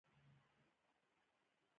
پیاز د وجود میکروبونه له منځه وړي